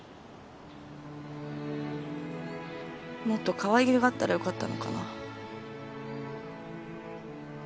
もっとかわいげがあったらよかったのかな？